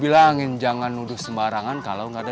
bilangin jangan nuduh sembarangan kalau enggak ada